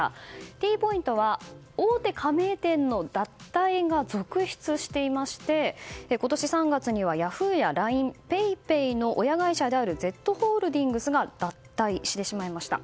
Ｔポイントは大手加盟店の脱退が続出していまして今年３月にはヤフーやＬＩＮＥ、ＰａｙＰａｙの親会社であるＺホールディングスが脱退してしまいました。